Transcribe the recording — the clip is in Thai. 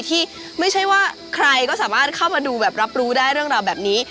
ที่ไม่ใช่ว่าใครก็สามารถเข้ามาดูแบบรับรู้ได้เรื่องราวแบบนี้